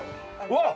うわっ！